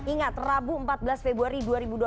ingat rabu empat belas februari